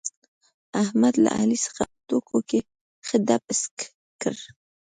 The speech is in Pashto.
احمد له علي څخه په ټوکو کې ښه دپ اسک کړ.